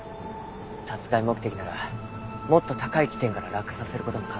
殺害目的ならもっと高い地点から落下させる事も可能ですので。